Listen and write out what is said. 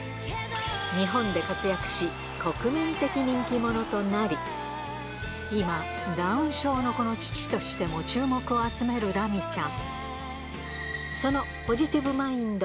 日本で活躍し、国民的人気者となり、今、ダウン症の子の父としても注目を集めるラミちゃん。